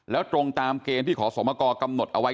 แล้วตรงตามเกณฑ์ที่ขอสมกรกำหนดเอาไว้